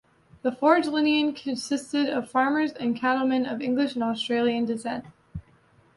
The Ford lineage consisted of farmers and cattlemen of English and Australian descent.